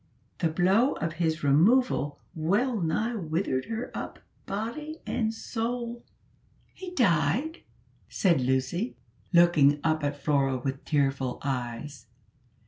The blow of his removal well nigh withered her up, body and soul " "He died?" said Lucy, looking up at Flora with tearful eyes.